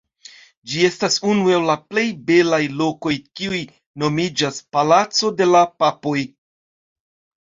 Ĝi estas unu el la plej belaj lokoj kiuj nomiĝas «Palaco de la Papoj».